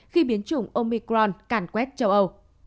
khi biến chủng omicron càn quét châu âu